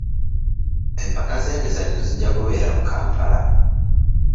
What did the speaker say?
Empaka z'emizannyo zijja kubeera mu Kampala.